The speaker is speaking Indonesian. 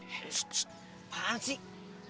ck ck ck apaan sih